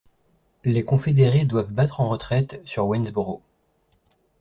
Les confédérés doivent battre en retraite sur Waynesboro.